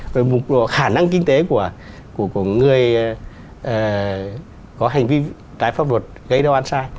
và mức độ khả năng kinh tế của người có hành vi trái pháp luật gây đau ăn sai